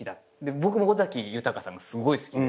僕も尾崎豊さんがすごい好きで。